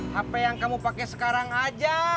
hp yang kamu pakai sekarang aja